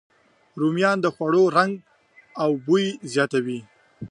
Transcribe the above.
رومیان د خوړو رنګ او بوی زیاتوي